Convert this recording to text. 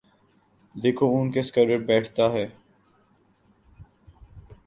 دیکھو اونٹ کس کروٹ بیٹھتا ہے ۔